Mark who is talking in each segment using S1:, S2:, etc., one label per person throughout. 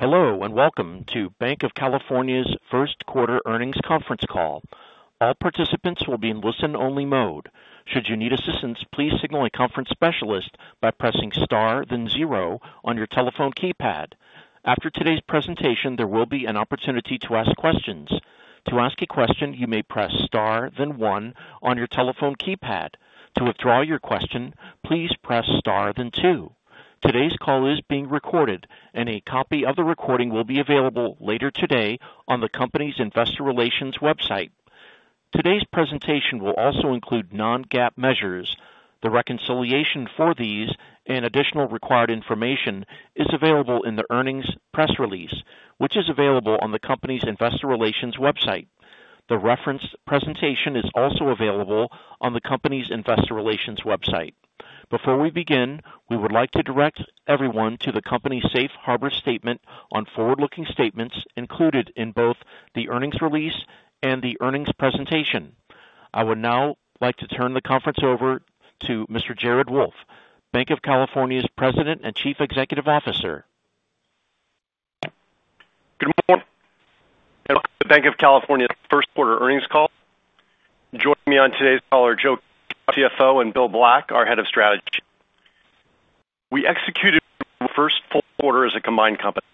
S1: Hello and welcome to Banc of California's first quarter earnings conference call. All participants will be in listen-only mode. Should you need assistance, please signal a conference specialist by pressing star then zero on your telephone keypad. After today's presentation, there will be an opportunity to ask questions. To ask a question, you may press star then one on your telephone keypad. To withdraw your question, please press star then two. Today's call is being recorded, and a copy of the recording will be available later today on the company's investor relations website. Today's presentation will also include non-GAAP measures. The reconciliation for these and additional required information is available in the earnings press release, which is available on the company's investor relations website. The referenced presentation is also available on the company's investor relations website. Before we begin, we would like to direct everyone to the company's safe harbor statement on forward-looking statements included in both the earnings release and the earnings presentation. I would now like to turn the conference over to Mr. Jared Wolff, Banc of California's President and Chief Executive Officer.
S2: Good morning. Welcome to Banc of California's first quarter earnings call. Joining me on today's call are Joe Kauder, CFO, and Bill Black, our Head of Strategy. We executed our first full quarter as a combined company.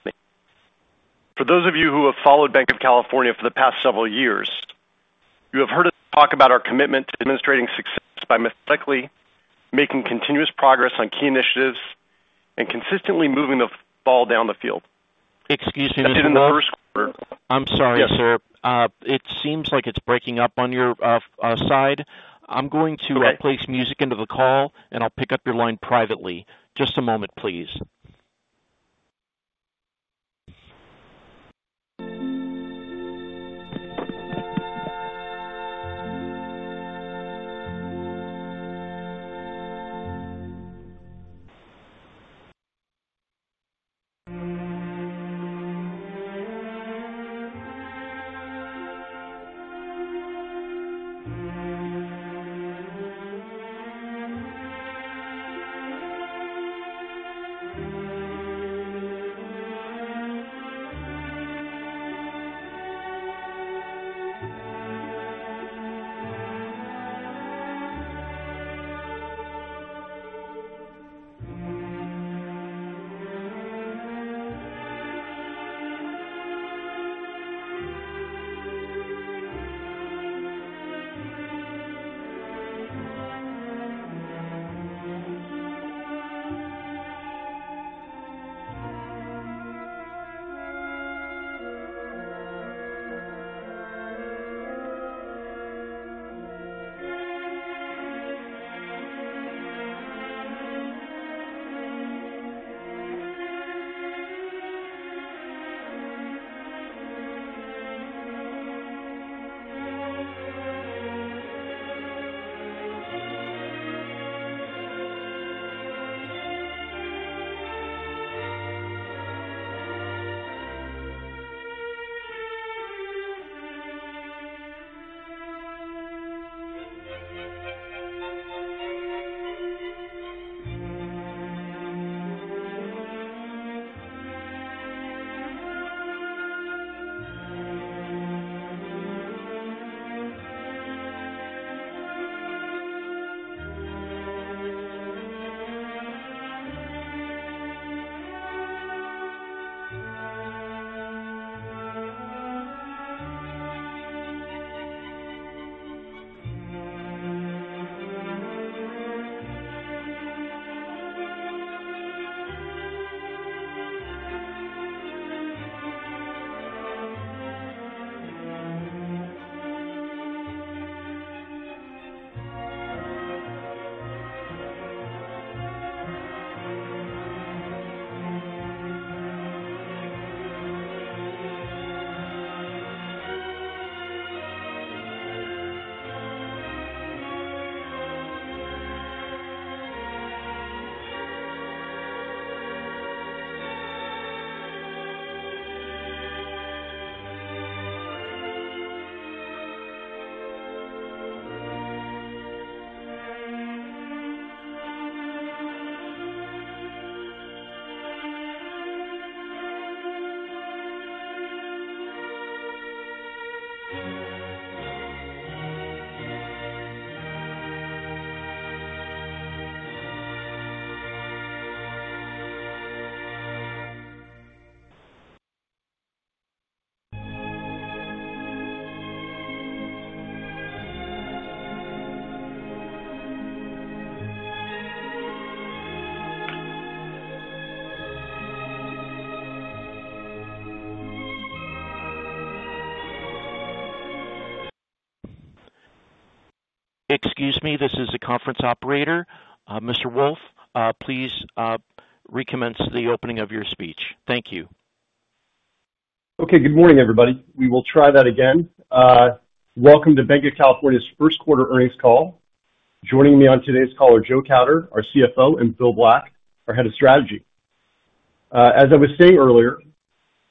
S2: For those of you who have followed Banc of California for the past several years, you have heard us talk about our commitment to demonstrating success by methodically making continuous progress on key initiatives and consistently moving the ball down the field.
S1: Excuse me, Mr. Wolff.
S2: [inaudible]
S1: I'm sorry, sir. It seems like it's breaking up on your side. I'm going to place music into the call, and I'll pick up your line privately. Just a moment, please. Excuse me, this is the conference operator. Mr. Wolff, please recommence the opening of your speech. Thank you.
S2: Okay. Good morning, everybody. We will try that again. Welcome to Banc of California's first quarter earnings call. Joining me on today's call are Joe Kauder, our CFO, and Bill Black, our Head of Strategy. As I was saying earlier,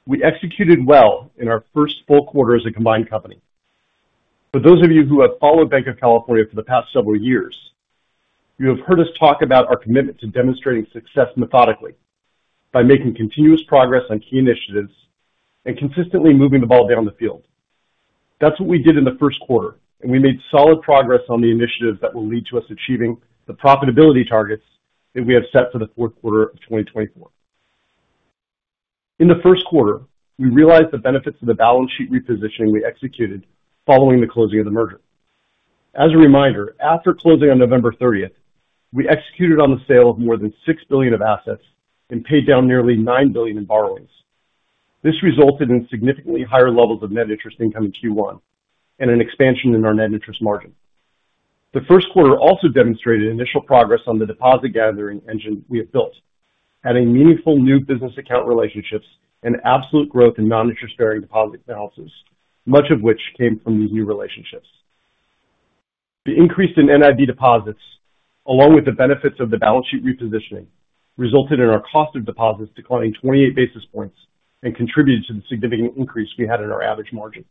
S2: we executed well in our first full quarter as a combined company. For those of you who have followed Banc of California for the past several years, you have heard us talk about our commitment to demonstrating success methodically by making continuous progress on key initiatives and consistently moving the ball down the field. That's what we did in the first quarter, and we made solid progress on the initiatives that will lead to us achieving the profitability targets that we have set for the fourth quarter of 2024. In the first quarter, we realized the benefits of the balance sheet repositioning we executed following the closing of the merger. As a reminder, after closing on November 30th, we executed on the sale of more than $6 billion of assets and paid down nearly $9 billion in borrowings. This resulted in significantly higher levels of net interest income in Q1 and an expansion in our net interest margin. The first quarter also demonstrated initial progress on the deposit gathering engine we have built, adding meaningful new business account relationships and absolute growth in non-interest-bearing deposit balances, much of which came from these new relationships. The increase in NIB deposits, along with the benefits of the balance sheet repositioning, resulted in our cost of deposits declining 28 basis points and contributed to the significant increase we had in our average margin.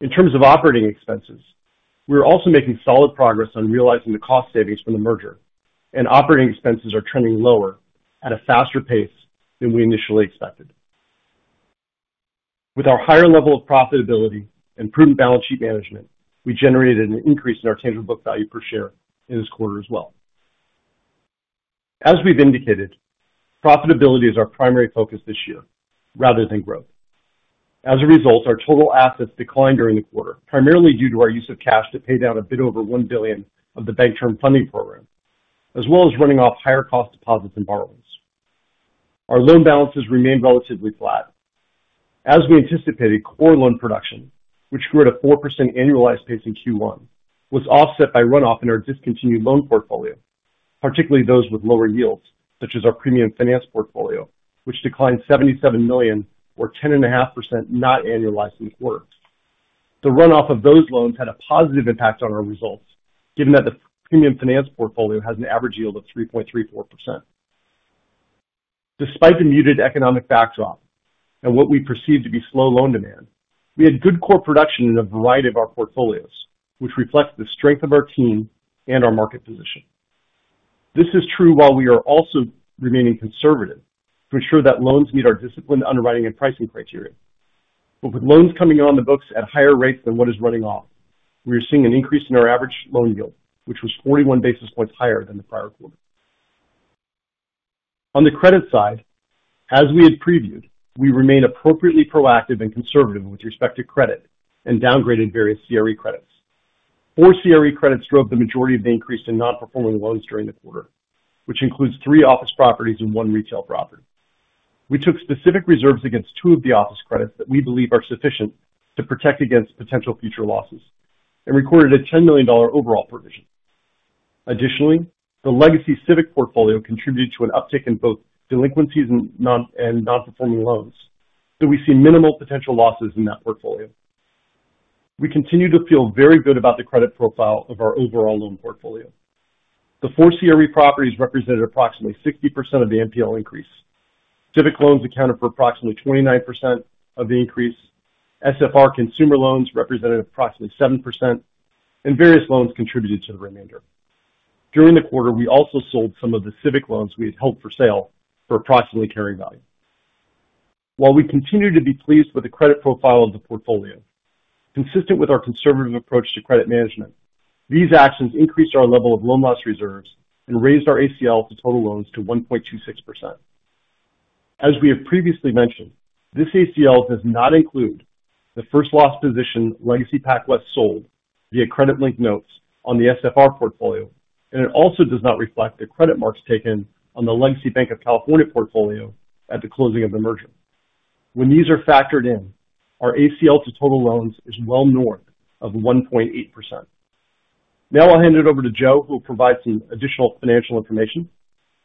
S2: In terms of operating expenses, we are also making solid progress on realizing the cost savings from the merger, and operating expenses are trending lower at a faster pace than we initially expected. With our higher level of profitability and prudent balance sheet management, we generated an increase in our tangible book value per share in this quarter as well. As we've indicated, profitability is our primary focus this year rather than growth. As a result, our total assets declined during the quarter, primarily due to our use of cash to pay down a bit over $1 billion of the Bank Term Funding Program, as well as running off higher cost deposits and borrowings. Our loan balances remained relatively flat. As we anticipated, core loan production, which grew at a 4% annualized pace in Q1, was offset by runoff in our discontinued loan portfolio, particularly those with lower yields such as our premium finance portfolio, which declined $77 million or 10.5% not annualized in the quarter. The runoff of those loans had a positive impact on our results, given that the premium finance portfolio has an average yield of 3.34%. Despite the muted economic backdrop and what we perceived to be slow loan demand, we had good core production in a variety of our portfolios, which reflects the strength of our team and our market position. This is true while we are also remaining conservative to ensure that loans meet our disciplined underwriting and pricing criteria. With loans coming on the books at higher rates than what is running off, we are seeing an increase in our average loan yield, which was 41 basis points higher than the prior quarter. On the credit side, as we had previewed, we remain appropriately proactive and conservative with respect to credit and downgraded various CRE credits. four CRE credits drove the majority of the increase in non-performing loans during the quarter, which includes three office properties and one retail property. We took specific reserves against two of the office credits that we believe are sufficient to protect against potential future losses and recorded a $10 million overall provision. Additionally, the legacy Civic portfolio contributed to an uptick in both delinquencies and non-performing loans, though we see minimal potential losses in that portfolio. We continue to feel very good about the credit profile of our overall loan portfolio. The four CRE properties represented approximately 60% of the NPL increase. Civic loans accounted for approximately 29% of the increase. SFR consumer loans represented approximately 7%, and various loans contributed to the remainder. During the quarter, we also sold some of the Civic loans we had held for sale for approximately carrying value. While we continue to be pleased with the credit profile of the portfolio, consistent with our conservative approach to credit management, these actions increased our level of loan loss reserves and raised our ACL to total loans to 1.26%. As we have previously mentioned, this ACL does not include the first-loss position legacy PacWest sold via credit-linked notes on the SFR portfolio, and it also does not reflect the credit marks taken on the legacy Banc of California portfolio at the closing of the merger. When these are factored in, our ACL to total loans is well north of 1.8%. Now I'll hand it over to Joe, who will provide some additional financial information,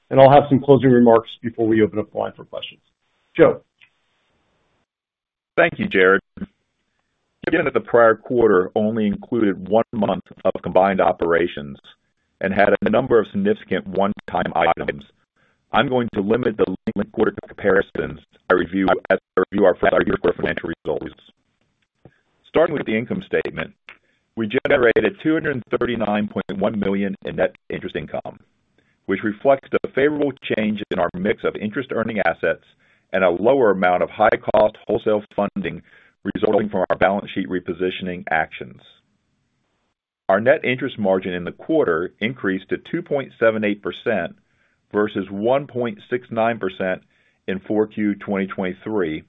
S2: and I'll have some closing remarks before we open up the line for questions. Joe.
S3: Thank you, Jared. Given that the prior quarter only included one month of combined operations and had a number of significant one-time items, I'm going to limit the linked quarter comparisons I review as I review our financial results. Starting with the income statement, we generated $239.1 million in net interest income, which reflects a favorable change in our mix of interest-earning assets and a lower amount of high-cost wholesale funding resulting from our balance sheet repositioning actions. Our net interest margin in the quarter increased to 2.78% versus 1.69% in 4Q 2023,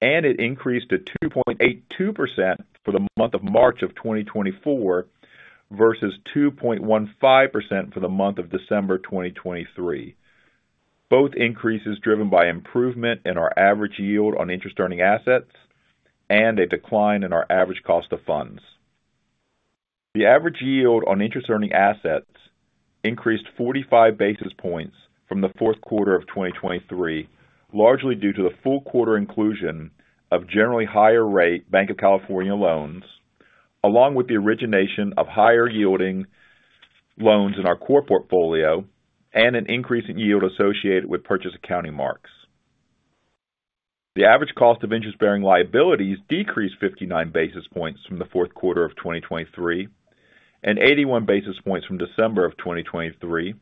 S3: and it increased to 2.82% for the month of March of 2024 versus 2.15% for the month of December 2023, both increases driven by improvement in our average yield on interest-earning assets and a decline in our average cost of funds. The average yield on interest-earning assets increased 45 basis points from the fourth quarter of 2023, largely due to the full quarter inclusion of generally higher-rate Banc of California loans, along with the origination of higher-yielding loans in our core portfolio and an increase in yield associated with purchase accounting marks. The average cost of interest-bearing liabilities decreased 59 basis points from the fourth quarter of 2023 and 81 basis points from December of 2023,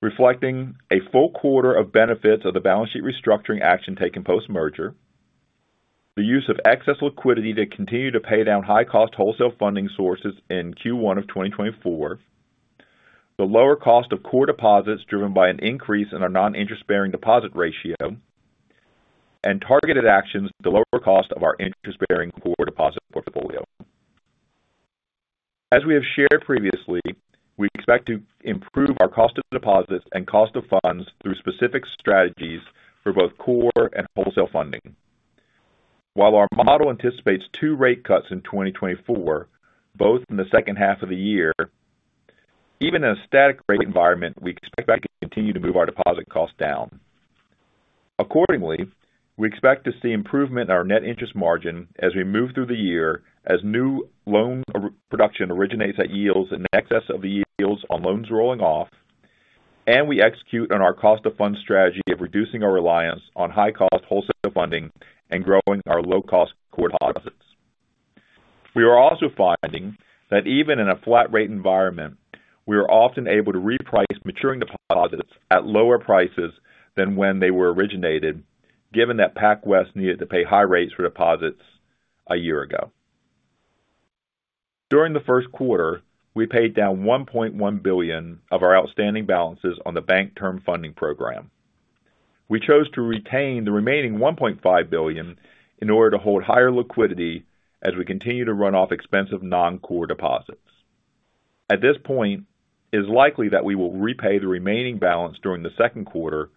S3: reflecting a full quarter of benefits of the balance sheet restructuring action taken post-merger, the use of excess liquidity to continue to pay down high-cost wholesale funding sources in Q1 of 2024, the lower cost of core deposits driven by an increase in our non-interest-bearing deposit ratio, and targeted actions to lower the cost of our interest-bearing core deposit portfolio. As we have shared previously, we expect to improve our cost of deposits and cost of funds through specific strategies for both core and wholesale funding. While our model anticipates two rate cuts in 2024, both in the second half of the year, even in a static rate environment, we expect to continue to move our deposit costs down. Accordingly, we expect to see improvement in our net interest margin as we move through the year, as new loan production originates at yields in excess of the yields on loans rolling off, and we execute on our cost of funds strategy of reducing our reliance on high-cost wholesale funding and growing our low-cost core deposits. We are also finding that even in a flat-rate environment, we are often able to reprice maturing deposits at lower prices than when they were originated, given that PacWest needed to pay high rates for deposits a year ago. During the first quarter, we paid down $1.1 billion of our outstanding balances on the Bank Term Funding Program. We chose to retain the remaining $1.5 billion in order to hold higher liquidity as we continue to run off expensive non-core deposits. At this point, it is likely that we will repay the remaining balance during the second quarter,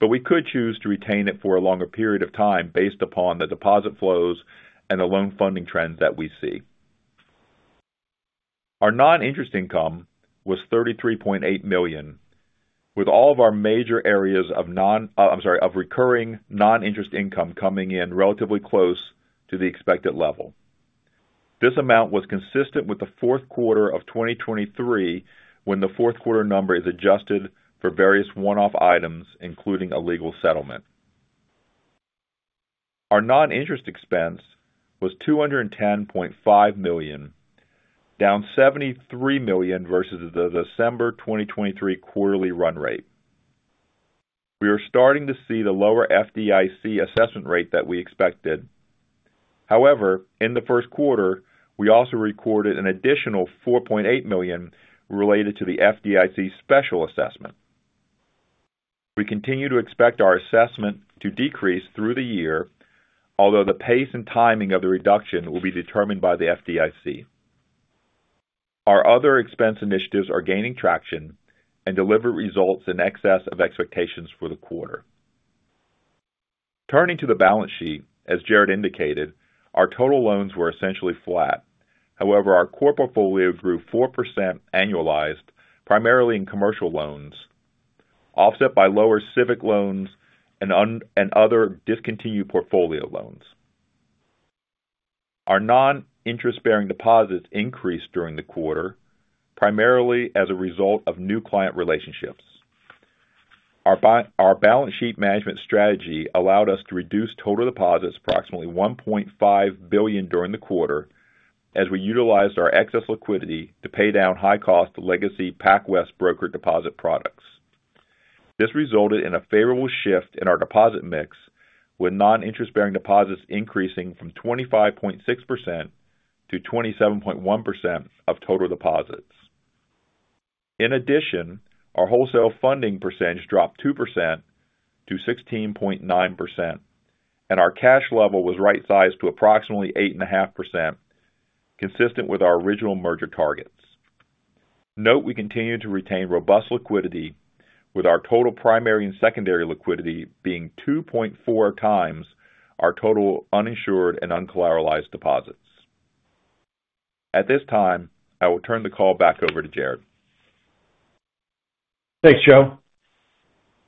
S3: but we could choose to retain it for a longer period of time based upon the deposit flows and the loan funding trends that we see. Our non-interest income was $33.8 million, with all of our major areas of recurring non-interest income coming in relatively close to the expected level. This amount was consistent with the fourth quarter of 2023, when the fourth quarter number is adjusted for various one-off items, including a legal settlement. Our non-interest expense was $210.5 million, down $73 million versus the December 2023 quarterly run rate. We are starting to see the lower FDIC assessment rate that we expected. However, in the first quarter, we also recorded an additional $4.8 million related to the FDIC special assessment. We continue to expect our assessment to decrease through the year, although the pace and timing of the reduction will be determined by the FDIC. Our other expense initiatives are gaining traction and deliver results in excess of expectations for the quarter. Turning to the balance sheet, as Jared indicated, our total loans were essentially flat. However, our core portfolio grew 4% annualized, primarily in commercial loans, offset by lower Civic loans and other discontinued portfolio loans. Our non-interest-bearing deposits increased during the quarter, primarily as a result of new client relationships. Our balance sheet management strategy allowed us to reduce total deposits approximately $1.5 billion during the quarter as we utilized our excess liquidity to pay down high-cost legacy PacWest broker deposit products. This resulted in a favorable shift in our deposit mix, with non-interest-bearing deposits increasing from 25.6% to 27.1% of total deposits. In addition, our wholesale funding percentage dropped 2% to 16.9%, and our cash level was right-sized to approximately 8.5%, consistent with our original merger targets. Note we continue to retain robust liquidity, with our total primary and secondary liquidity being 2.4x our total uninsured and uncollateralized deposits. At this time, I will turn the call back over to Jared.
S2: Thanks, Joe.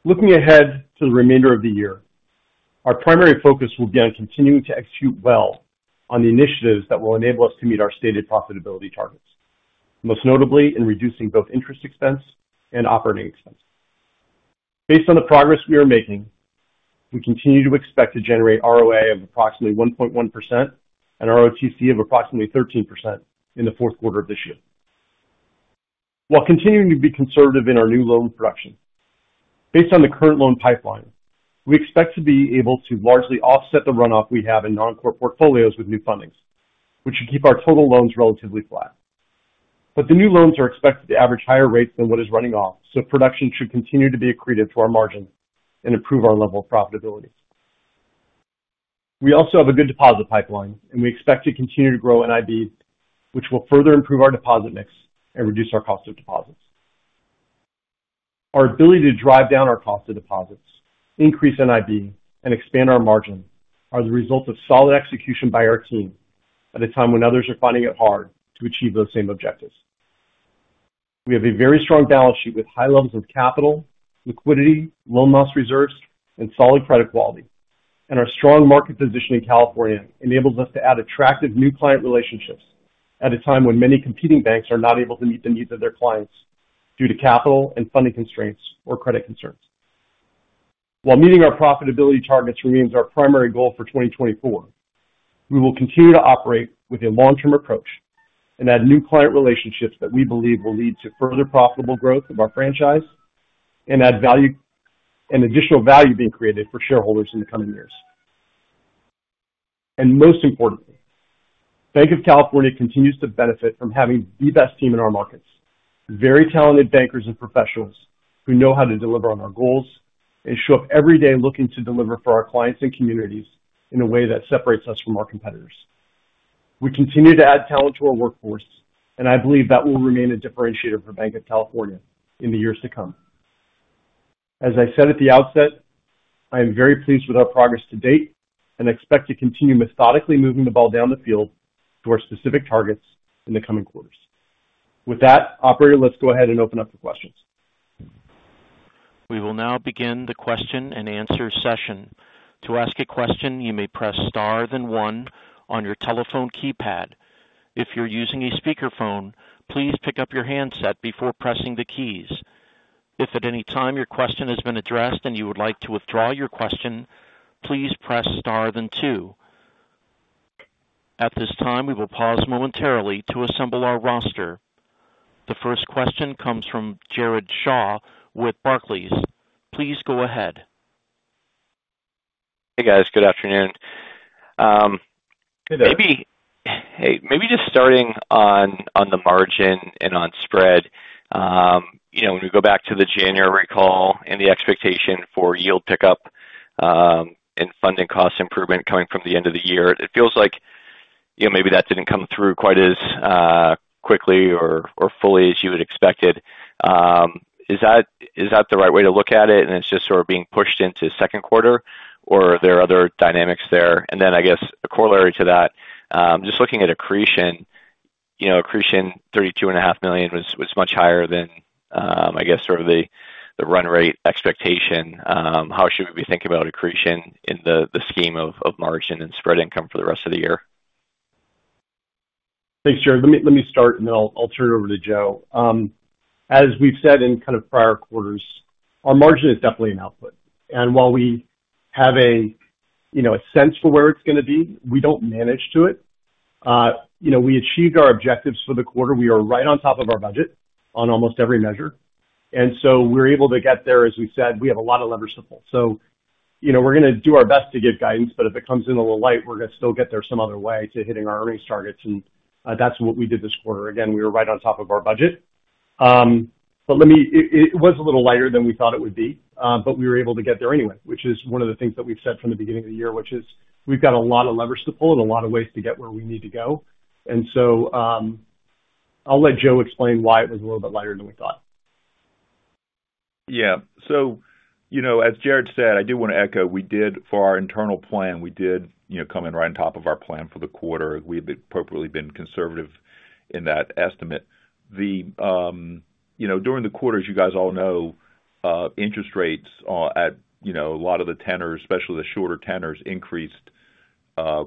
S2: Looking ahead to the remainder of the year, our primary focus will be on continuing to execute well on the initiatives that will enable us to meet our stated profitability targets, most notably in reducing both interest expense and operating expense. Based on the progress we are making, we continue to expect to generate ROA of approximately 1.1% and ROTCE of approximately 13% in the fourth quarter of this year. While continuing to be conservative in our new loan production, based on the current loan pipeline, we expect to be able to largely offset the runoff we have in non-core portfolios with new fundings, which should keep our total loans relatively flat. The new loans are expected to average higher rates than what is running off, so production should continue to be accretive to our margin and improve our level of profitability. We also have a good deposit pipeline, and we expect to continue to grow NIB, which will further improve our deposit mix and reduce our cost of deposits. Our ability to drive down our cost of deposits, increase NIB, and expand our margin are the result of solid execution by our team at a time when others are finding it hard to achieve those same objectives. We have a very strong balance sheet with high levels of capital, liquidity, loan loss reserves, and solid credit quality, and our strong market position in California enables us to add attractive new client relationships at a time when many competing banks are not able to meet the needs of their clients due to capital and funding constraints or credit concerns. While meeting our profitability targets remains our primary goal for 2024, we will continue to operate with a long-term approach and add new client relationships that we believe will lead to further profitable growth of our franchise and add additional value being created for shareholders in the coming years. Most importantly, Banc of California continues to benefit from having the best team in our markets, very talented bankers and professionals who know how to deliver on our goals and show up every day looking to deliver for our clients and communities in a way that separates us from our competitors. We continue to add talent to our workforce, and I believe that will remain a differentiator for Banc of California in the years to come. As I said at the outset, I am very pleased with our progress to date and expect to continue methodically moving the ball down the field to our specific targets in the coming quarters. With that, operator, let's go ahead and open up for questions.
S1: We will now begin the question and answer session. To ask a question, you may press star, then one on your telephone keypad. If you're using a speakerphone, please pick up your handset before pressing the keys. If at any time your question has been addressed and you would like to withdraw your question, please press star, then two. At this time, we will pause momentarily to assemble our roster. The first question comes from Jared Shaw with Barclays. Please go ahead.
S4: Hey, guys. Good afternoon.
S2: Good.
S4: Maybe, hey, maybe just starting on the margin and on spread. You know, when we go back to the January call and the expectation for yield pickup, and funding cost improvement coming from the end of the year, it feels like, you know, maybe that didn't come through quite as quickly or fully as you would expected. Is that the right way to look at it? And it's just sort of being pushed into second quarter, or are there other dynamics there? And then, I guess, corollary to that, just looking at accretion, you know, accretion $32.5 million was much higher than, I guess, sort of the run rate expectation. How should we be thinking about accretion in the scheme of margin and spread income for the rest of the year?
S2: Thanks, Jared. Let me start, and then I'll turn it over to Joe. As we've said in kind of prior quarters, our margin is definitely an output. While we have a sense for where it's going to be, we don't manage to it. You know, we achieved our objectives for the quarter. We are right on top of our budget on almost every measure. We're able to get there. As we said, we have a lot of levers to pull. So, you know, we're going to do our best to give guidance, but if it comes in a little light, we're going to still get there some other way to hitting our earnings targets. That's what we did this quarter. Again, we were right on top of our budget. Let me, it was a little lighter than we thought it would be, but we were able to get there anyway, which is one of the things that we've said from the beginning of the year, which is we've got a lot of levers to pull and a lot of ways to get where we need to go. And so, I'll let Joe explain why it was a little bit lighter than we thought.
S3: Yeah. So, you know, as Jared said, I do want to echo we did for our internal plan, we did come in right on top of our plan for the quarter. We had appropriately been conservative in that estimate. The, you know, during the quarter, as you guys all know, interest rates at, you know, a lot of the tenors, especially the shorter tenors, increased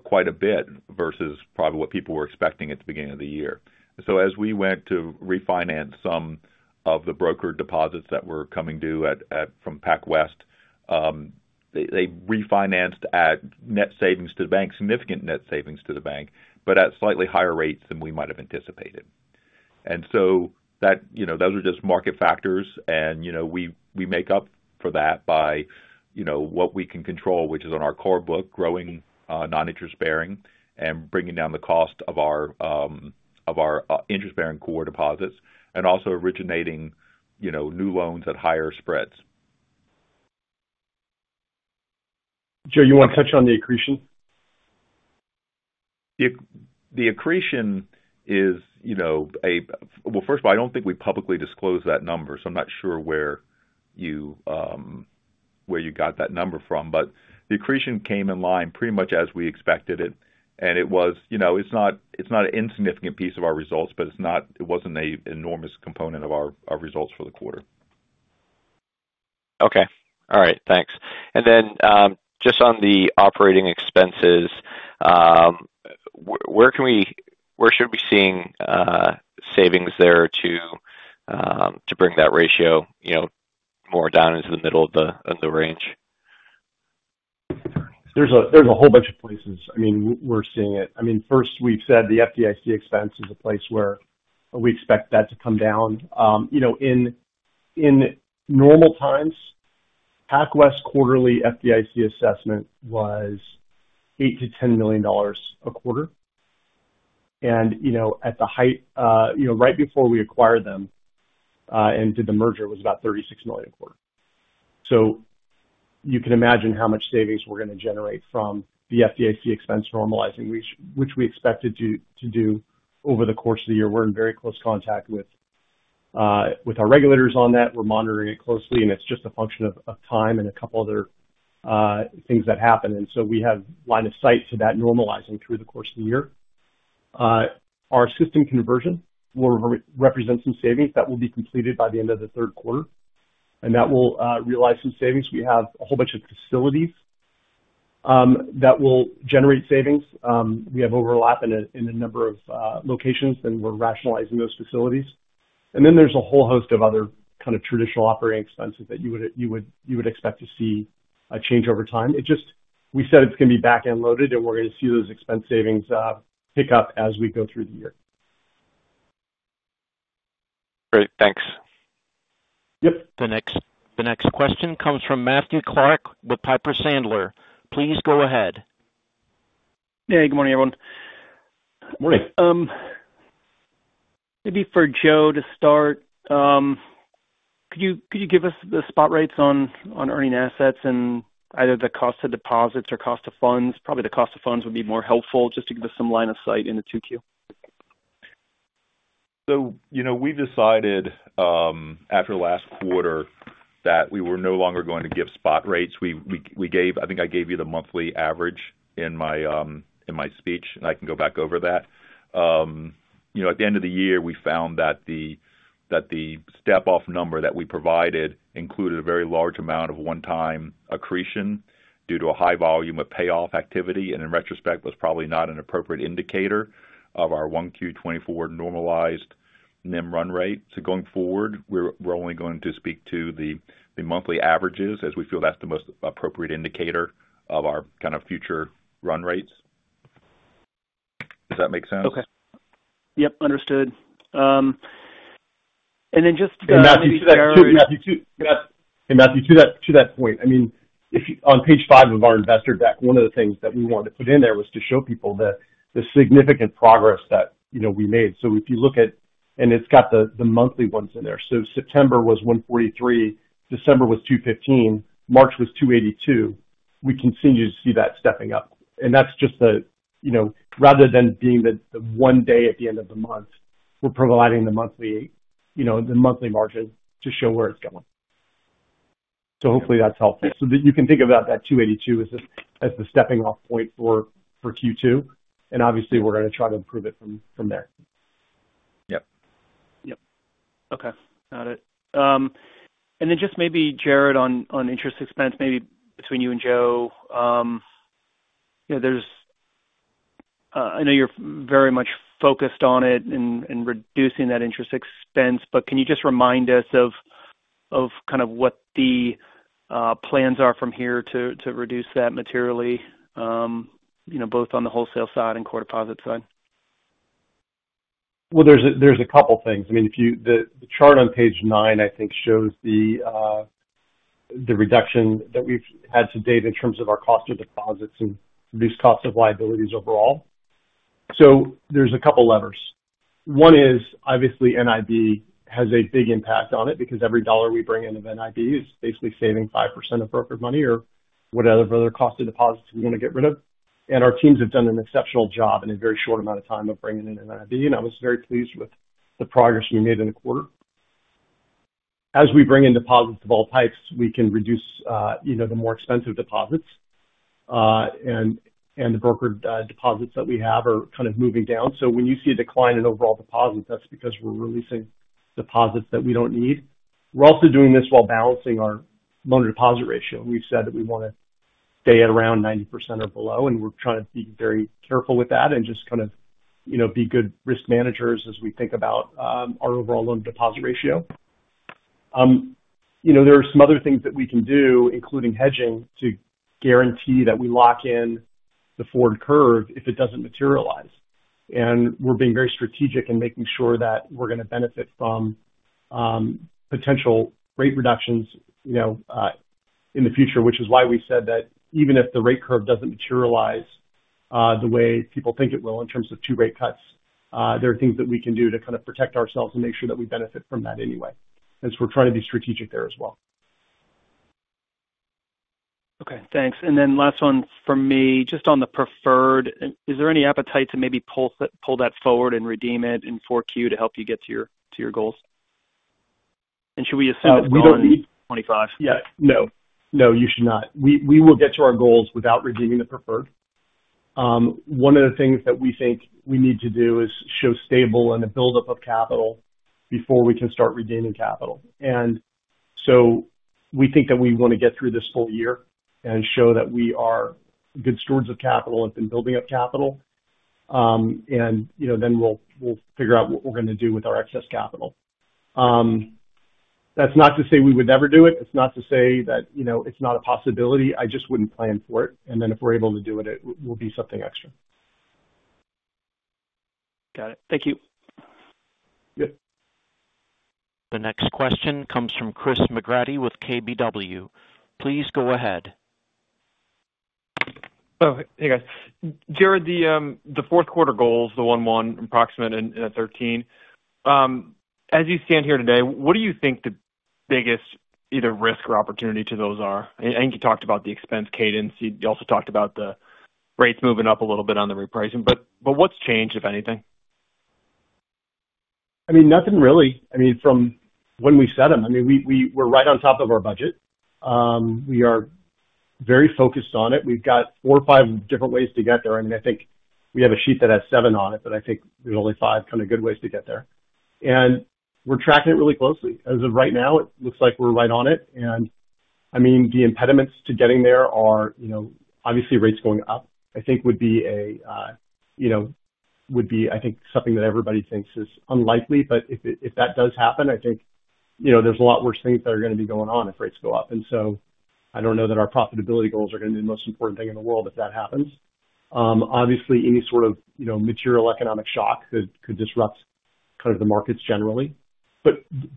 S3: quite a bit versus probably what people were expecting at the beginning of the year. As we went to refinance some of the broker deposits that were coming due at PacWest, they refinanced at net savings to the bank, significant net savings to the bank, but at slightly higher rates than we might have anticipated. And so that, you know, those are just market factors. You know, we make up for that by, you know, what we can control, which is on our core book, growing non-interest bearing and bringing down the cost of our interest-bearing core deposits and also originating, you know, new loans at higher spreads.
S2: Joe, you want to touch on the accretion?
S3: The accretion is, you know, well, first of all, I don't think we publicly disclosed that number, so I'm not sure where you got that number from. But the accretion came in line pretty much as we expected it. And it was, you know, it's not an insignificant piece of our results, but it wasn't an enormous component of our results for the quarter.
S4: Okay. All right. Thanks. And then, just on the operating expenses, where should we be seeing savings there to bring that ratio, you know, more down into the middle of the range?
S2: There's a whole bunch of places. I mean, we're seeing it. I mean, first, we've said the FDIC expense is a place where we expect that to come down. You know, in normal times, PacWest quarterly FDIC assessment was $8 million-$10 million a quarter. And, you know, at the height you know, right before we acquired them and did the merger, it was about $36 million a quarter. So you can imagine how much savings we're going to generate from the FDIC expense normalizing, which we expected to do over the course of the year. We're in very close contact with our regulators on that. We're monitoring it closely, and it's just a function of time and a couple other things that happen. We have line of sight to that normalizing through the course of the year. Our system conversion will represent some savings that will be completed by the end of the third quarter, and that will realize some savings. We have a whole bunch of facilities that will generate savings. We have overlap in a number of locations, and we're rationalizing those facilities. And then there's a whole host of other kind of traditional operating expenses that you would expect to see change over time. It's just, we said it's going to be back-loaded, and we're going to see those expense savings pick up as we go through the year.
S4: Great. Thanks.
S2: Yep.
S1: The next question comes from Matthew Clark with Piper Sandler. Please go ahead.
S5: Hey. Good morning, everyone.
S2: Morning.
S5: Maybe for Joe to start, could you give us the spot rates on earning assets and either the cost of deposits or cost of funds? Probably the cost of funds would be more helpful just to give us some line of sight in the 2Q.
S3: So, you know, we decided, after last quarter that we were no longer going to give spot rates. We gave. I think I gave you the monthly average in my speech, and I can go back over that. You know, at the end of the year, we found that the step-off number that we provided included a very large amount of one-time accretion due to a high volume of payoff activity, and in retrospect, was probably not an appropriate indicator of our 1Q 2024 normalized NIM run rate. So going forward, we're only going to speak to the monthly averages as we feel that's the most appropriate indicator of our kind of future run rates. Does that make sense?
S5: Okay. Yep. Understood. And then just.
S2: to that point, I mean, on page five of our investor deck, one of the things that we wanted to put in there was to show people the significant progress that we made. So if you look at and it's got the monthly ones in there. So September was 143, December was 215, March was 282. We continue to see that stepping up. And that's just the you know, rather than being the one day at the end of the month, we're providing the monthly margin to show where it's going. So hopefully, that's helpful so that you can think about that 282 as the stepping-off point for Q2. And obviously, we're going to try to improve it from there.
S3: Yep.
S5: Yep. Okay. Got it. And then just maybe, Jared, on interest expense, maybe between you and Joe, you know, there's. I know you're very much focused on it and reducing that interest expense, but can you just remind us of kind of what the plans are from here to reduce that materially, you know, both on the wholesale side and core deposit side?
S2: Well, there's a couple of things. I mean, if you look at the chart on page nine, I think, shows the reduction that we've had to date in terms of our cost of deposits and reduced cost of liabilities overall. So there's a couple of levers. One is, obviously, NIB has a big impact on it because every dollar we bring in of NIB is basically saving 5% of brokered money or whatever other cost of deposits we want to get rid of. And our teams have done an exceptional job in a very short amount of time of bringing in NIB, and I was very pleased with the progress we made in the quarter. As we bring in deposits of all types, we can reduce the more expensive deposits. The brokered deposits that we have are kind of moving down. When you see a decline in overall deposits, that's because we're releasing deposits that we don't need. We're also doing this while balancing our loan-to-deposit ratio. We've said that we want to stay at around 90% or below, and we're trying to be very careful with that and just kind of be good risk managers as we think about our overall loan-to-deposit ratio. You know, there are some other things that we can do, including hedging, to guarantee that we lock in the forward curve if it doesn't materialize. We're being very strategic in making sure that we're going to benefit from potential rate reductions in the future, which is why we said that even if the rate curve doesn't materialize the way people think it will in terms of two rate cuts, there are things that we can do to kind of protect ourselves and make sure that we benefit from that anyway. We're trying to be strategic there as well.
S5: Okay. Thanks. And then last one from me, just on the preferred, is there any appetite to maybe pull that forward and redeem it in 4Q to help you get to your goals? And should we assume it's going into 2025?
S2: Yeah. No. No, you should not. We will get to our goals without redeeming the preferred. One of the things that we think we need to do is show stable and a buildup of capital before we can start redeeming capital. And so we think that we want to get through this full year and show that we are good stewards of capital and have been building up capital. Then we'll figure out what we're going to do with our excess capital. That's not to say we would never do it. It's not to say that it's not a possibility. I just wouldn't plan for it. And then if we're able to do it, it will be something extra.
S5: Got it. Thank you.
S2: Yep.
S1: The next question comes from Chris McGratty with KBW. Please go ahead.
S6: Oh, hey, guys. Jared, the fourth quarter goals, the 1:1, approximate, and 13, as you stand here today, what do you think the biggest either risk or opportunity to those are? I think you talked about the expense cadence. You also talked about the rates moving up a little bit on the repricing. But what's changed, if anything?
S2: I mean, nothing really. I mean, from when we set them, I mean, we were right on top of our budget. We are very focused on it. We've got four or five different ways to get there. I mean, I think we have a sheet that has seven on it, but I think there's only five kind of good ways to get there. And we're tracking it really closely. As of right now, it looks like we're right on it. And I mean, the impediments to getting there are obviously rates going up, I think, would be a you know, would be, I think, something that everybody thinks is unlikely. But if that does happen, I think there's a lot worse things that are going to be going on if rates go up. I don't know that our profitability goals are going to be the most important thing in the world if that happens. Obviously, any sort of material economic shock could disrupt kind of the markets generally.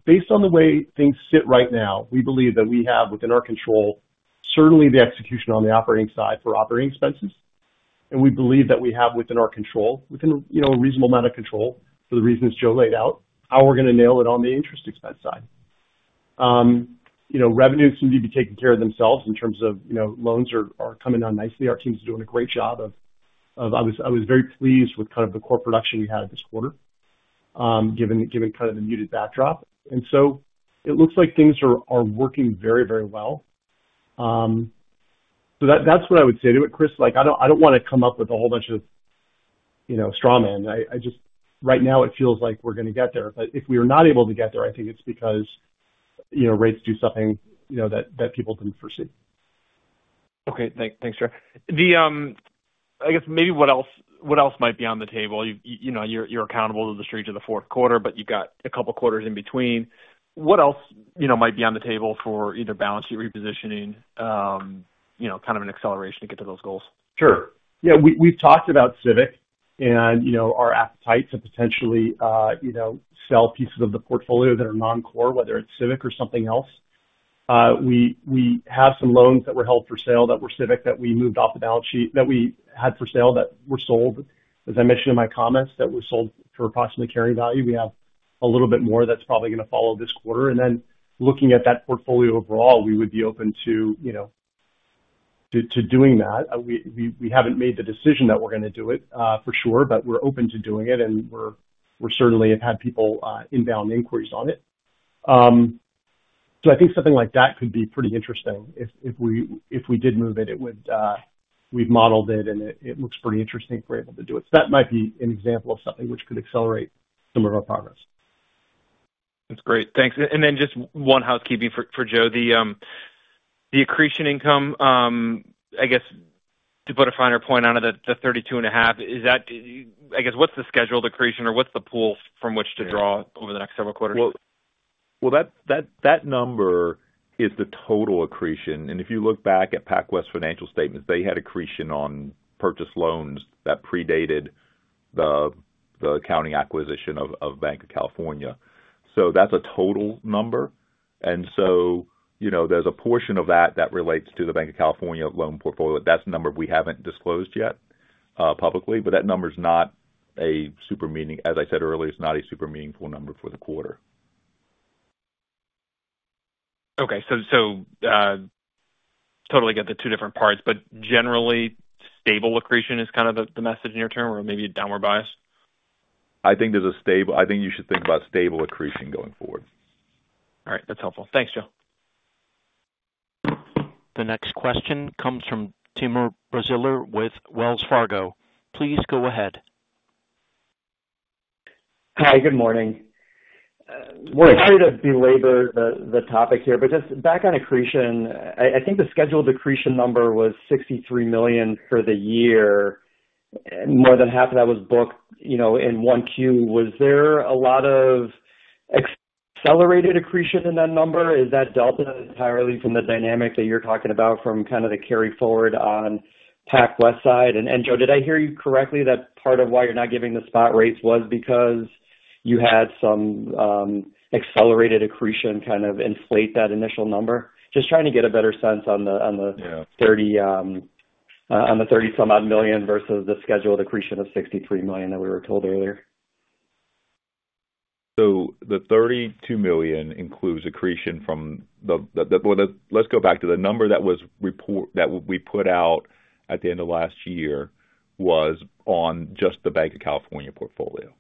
S2: Based on the way things sit right now, we believe that we have within our control, certainly the execution on the operating side for operating expenses. We believe that we have within our control, within a reasonable amount of control for the reasons Joe laid out, how we're going to nail it on the interest expense side. Revenues need to be taken care of themselves in terms of loans are coming on nicely. Our team's doing a great job. I was very pleased with kind of the core production we had this quarter given kind of the muted backdrop. It looks like things are working very, very well. That's what I would say to it, Chris. I don't want to come up with a whole bunch of straw men. Right now, it feels like we're going to get there. But if we are not able to get there, I think it's because rates do something that people didn't foresee.
S6: Okay. Thanks, Jared. I guess maybe what else might be on the table? You're accountable to the strength of the fourth quarter, but you've got a couple of quarters in between. What else might be on the table for either balance sheet repositioning, kind of an acceleration to get to those goals?
S2: Sure. Yeah. We've talked about Civic and our appetite to potentially sell pieces of the portfolio that are non-core, whether it's Civic or something else. We have some loans that were held for sale that were Civic that we moved off the balance sheet that we had for sale that were sold, as I mentioned in my comments, that were sold for approximately carrying value. We have a little bit more that's probably going to follow this quarter. Then looking at that portfolio overall, we would be open to doing that. We haven't made the decision that we're going to do it for sure, but we're open to doing it. We certainly have had people inbound inquiries on it. So I think something like that could be pretty interesting. If we did move it, we've modeled it, and it looks pretty interesting if we're able to do it. That might be an example of something which could accelerate some of our progress.
S6: That's great. Thanks. And then just one housekeeping for Joe, the accretion income, I guess, to put a finer point on it, the $32.5, I guess, what's the scheduled accretion or what's the pool from which to draw over the next several quarters?
S3: Well, that number is the total accretion. If you look back at PacWest financial statements, they had accretion on purchased loans that predated the accounting acquisition of Banc of California. So that's a total number. And so there's a portion of that that relates to the Banc of California loan portfolio. That's a number we haven't disclosed yet publicly. But that number's not a super meaning as I said earlier, it's not a super meaningful number for the quarter.
S6: Okay. So totally get the two different parts. But generally, stable accretion is kind of the message in your term, or maybe a downward bias?
S3: I think you should think about stable accretion going forward.
S6: All right. That's helpful. Thanks, Joe.
S1: The next question comes from Timur Braziler with Wells Fargo. Please go ahead.
S7: Hi. Good morning. I'm sorry to belabor the topic here, but just back on accretion, I think the scheduled accretion number was $63 million for the year. More than half of that was booked in 1Q. Was there a lot of accelerated accretion in that number? Is that delta entirely from the dynamic that you're talking about from kind of the carry forward on PacWest side? And Joe, did I hear you correctly that part of why you're not giving the spot rates was because you had some accelerated accretion kind of inflate that initial number? Just trying to get a better sense on the $30-some-odd million versus the scheduled accretion of $63 million that we were told earlier.
S3: The $32 million includes accretion from the well. Let's go back to the number that we put out at the end of last year, which was on just the Banc of California portfolio.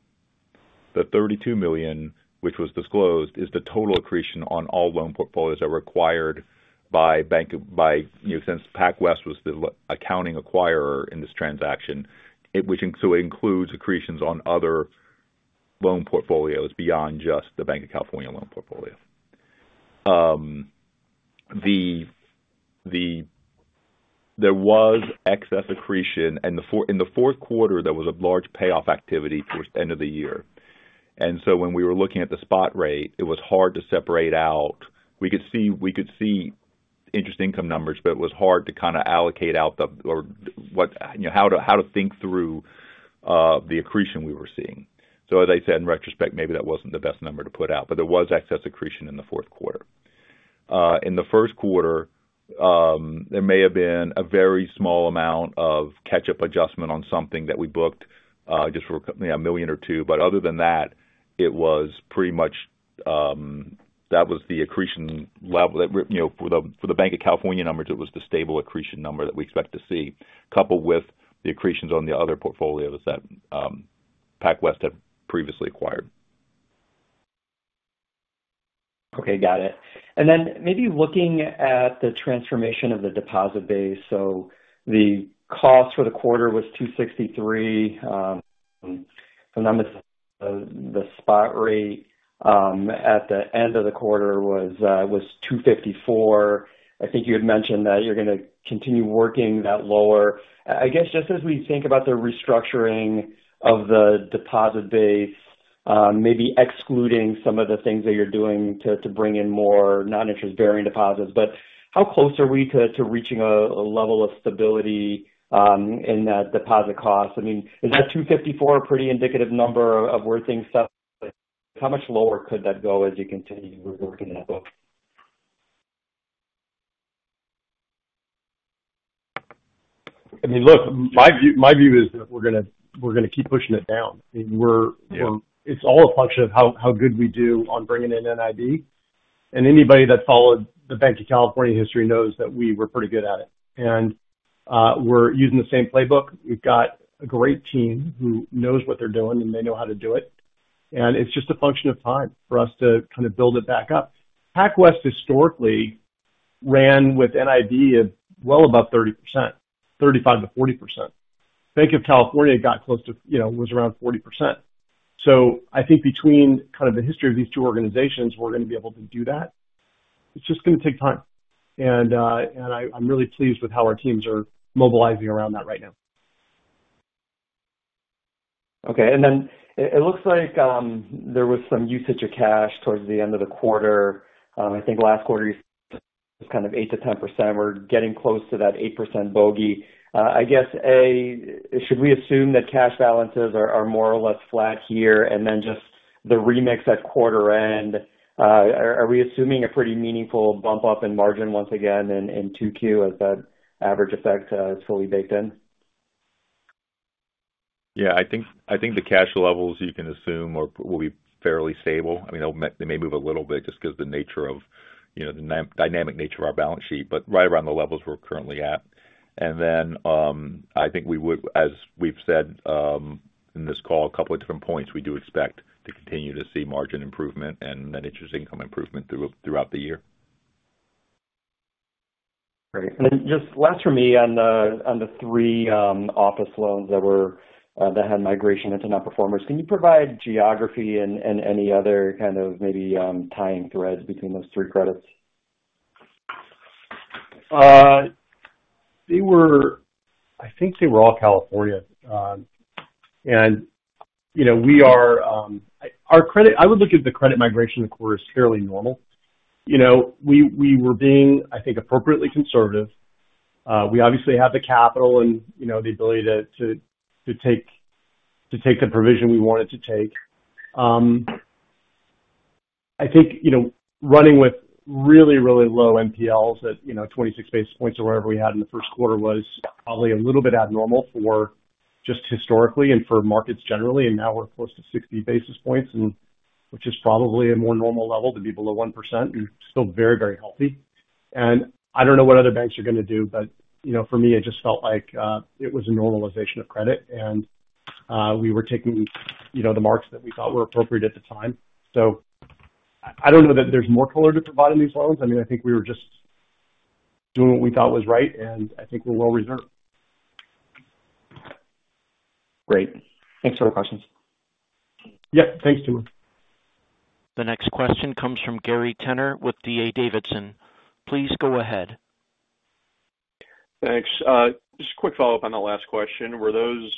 S3: The $32 million, which was disclosed, is the total accretion on all loan portfolios that were acquired by since PacWest was the accounting acquirer in this transaction, which so it includes accretions on other loan portfolios beyond just the Banc of California loan portfolio. There was excess accretion. In the fourth quarter, there was a large payoff activity towards the end of the year. And so when we were looking at the spot rate, it was hard to separate out. We could see interest income numbers, but it was hard to kind of allocate out the or how to think through the accretion we were seeing. As I said, in retrospect, maybe that wasn't the best number to put out, but there was excess accretion in the fourth quarter. In the first quarter, there may have been a very small amount of catch-up adjustment on something that we booked just for a million or $2 million. But other than that, it was pretty much that was the accretion level for the Banc of California numbers, it was the stable accretion number that we expect to see, coupled with the accretions on the other portfolios that PacWest had previously acquired.
S7: Okay. Got it. And then maybe looking at the transformation of the deposit base, so the cost for the quarter was 263. So now the spot rate at the end of the quarter was 254. I think you had mentioned that you're going to continue working that lower. I guess just as we think about the restructuring of the deposit base, maybe excluding some of the things that you're doing to bring in more non-interest-bearing deposits, but how close are we to reaching a level of stability in that deposit cost? I mean, is that 254 a pretty indicative number of where things set? How much lower could that go as you continue reworking that book?
S2: I mean, look, my view is that we're going to keep pushing it down. It's all a function of how good we do on bringing in NIB. Anybody that followed the Banc of California history knows that we were pretty good at it. We're using the same playbook. We've got a great team who knows what they're doing, and they know how to do it. It's just a function of time for us to kind of build it back up. PacWest, historically, ran with NIB of well above 30%, 35%-40%. Banc of California got close to was around 40%. I think between kind of the history of these two organizations, we're going to be able to do that. It's just going to take time. I'm really pleased with how our teams are mobilizing around that right now.
S7: Okay. And then it looks like there was some usage of cash towards the end of the quarter. I think last quarter, you said it was kind of 8%-10%. We're getting close to that 8% bogey. I guess, A, should we assume that cash balances are more or less flat here and then just the remix at quarter end? Are we assuming a pretty meaningful bump-up in margin once again in 2Q as that average effect is fully baked in?
S3: Yeah. I think the cash levels, you can assume, will be fairly stable. I mean, they may move a little bit just because of the nature of the dynamic nature of our balance sheet, but right around the levels we're currently at. Then I think we would, as we've said in this call, a couple of different points, we do expect to continue to see margin improvement and then interest income improvement throughout the year.
S7: Great. Then just last from me on the three office loans that had migration into non-performers, can you provide geography and any other kind of maybe tying threads between those three credits?
S2: They were, I think, they were all California. We are our credit. I would look at the credit migration, of course, fairly normal. We were being, I think, appropriately conservative. We obviously have the capital and the ability to take the provision we wanted to take. I think running with really, really low NPLs at 26 basis points or wherever we had in the first quarter was probably a little bit abnormal for just historically and for markets generally. Now we're close to 60 basis points, which is probably a more normal level to be below 1% and still very, very healthy. I don't know what other banks are going to do, but for me, it just felt like it was a normalization of credit. We were taking the marks that we thought were appropriate at the time. I don't know that there's more color to provide in these loans. I mean, I think we were just doing what we thought was right, and I think we're well reserved.
S7: Great. Thanks for the questions.
S2: Yep. Thanks, Timur.
S1: The next question comes from Gary Tenner with D.A. Davidson. Please go ahead.
S8: Thanks. Just a quick follow-up on that last question. Were those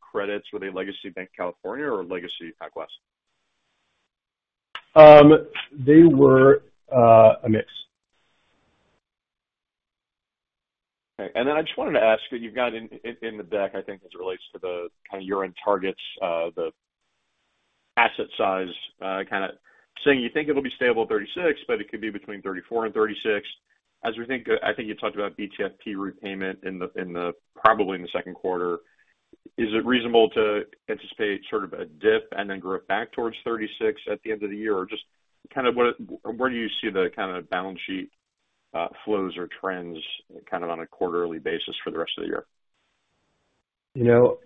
S8: credits, were they legacy Banc of California or legacy PacWest?
S2: They were a mix.
S8: Okay. Then I just wanted to ask you, you've got in the deck, I think, as it relates to kind of your end targets, the asset size kind of saying you think it'll be stable at $36, but it could be between $34 and $36. As we think I think you talked about BTFP repayment probably in the second quarter. Is it reasonable to anticipate sort of a dip and then growth back towards $36 at the end of the year? Or just kind of where do you see the kind of balance sheet flows or trends kind of on a quarterly basis for the rest of the year?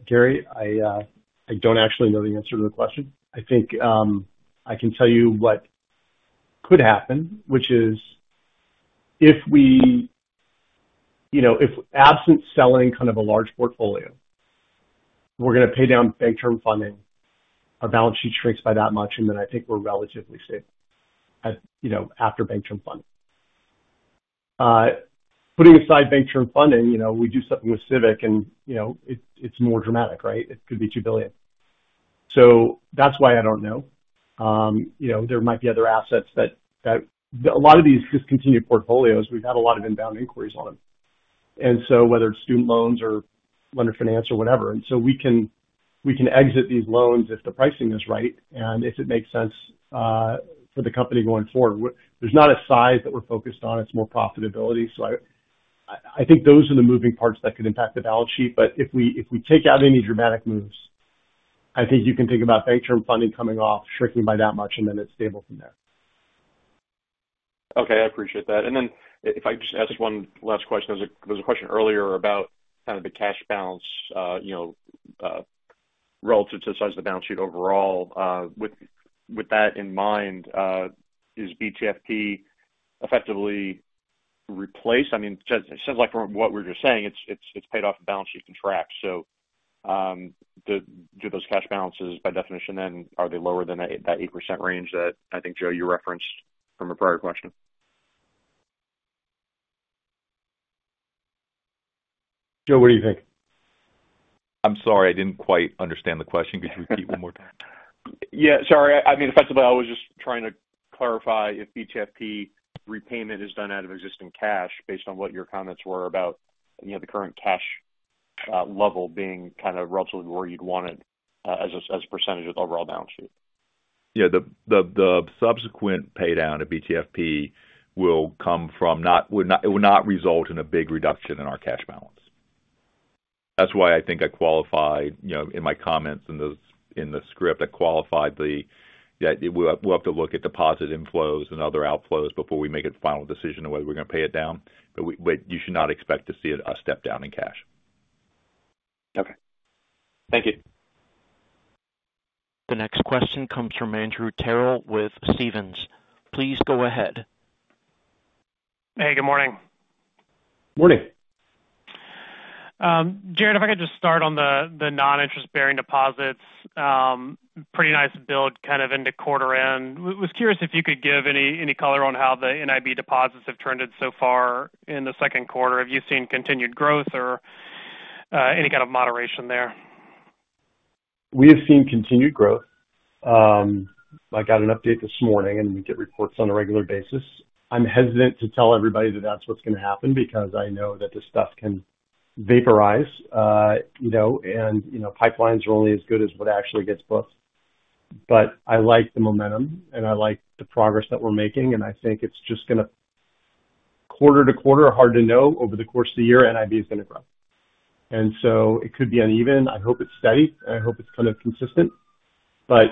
S2: Gary, I don't actually know the answer to the question. I think I can tell you what could happen, which is if we if absent selling kind of a large portfolio, we're going to pay down Bank Term Funding. Our balance sheet shrinks by that much, and then I think we're relatively stable after Bank Term Funding. Putting aside Bank Term Funding, we do something with Civic, and it's more dramatic, right? It could be $2 billion. So that's why I don't know. There might be other assets that a lot of these discontinued portfolios, we've had a lot of inbound inquiries on them. And so whether it's student loans or lender finance or whatever. And so we can exit these loans if the pricing is right and if it makes sense for the company going forward. There's not a size that we're focused on. It's more profitability. I think those are the moving parts that could impact the balance sheet. But if we take out any dramatic moves, I think you can think about Bank Term Funding coming off, shrinking by that much, and then it's stable from there.
S8: Okay. I appreciate that. And then if I just ask one last question. There was a question earlier about kind of the cash balance relative to the size of the balance sheet overall. With that in mind, is BTFP effectively replaced? I mean, it sounds like from what we're just saying, it's paid off and balance sheet contracts. So do those cash balances, by definition, then are they lower than that 8% range that I think, Joe, you referenced from a prior question?
S2: Joe, what do you think?
S3: I'm sorry. I didn't quite understand the question. Could you repeat one more time?
S8: Yeah. Sorry. I mean, effectively, I was just trying to clarify if BTFP repayment is done out of existing cash based on what your comments were about the current cash level being kind of relatively where you'd want it as a percentage of the overall balance sheet.
S3: Yeah. The subsequent paydown of BTFP will come from it will not result in a big reduction in our cash balance. That's why I think I qualified in my comments in the script, I qualified the we'll have to look at deposit inflows and other outflows before we make a final decision on whether we're going to pay it down. You should not expect to see a step down in cash.
S8: Okay. Thank you.
S1: The next question comes from Andrew Terrell with Stephens. Please go ahead.
S9: Hey. Good morning.
S2: Morning.
S9: Jared, if I could just start on the non-interest-bearing deposits. Pretty nice build kind of into quarter end. I was curious if you could give any color on how the NIB deposits have trended so far in the second quarter. Have you seen continued growth or any kind of moderation there?
S2: We have seen continued growth. I got an update this morning, and we get reports on a regular basis. I'm hesitant to tell everybody that that's what's going to happen because I know that this stuff can vaporize, and pipelines are only as good as what actually gets booked. But I like the momentum, and I like the progress that we're making. I think it's just going to quarter-to-quarter, hard to know, over the course of the year, NIB is going to grow. It could be uneven. I hope it's steady, and I hope it's kind of consistent. Right